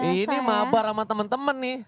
ini mabar sama temen temen nih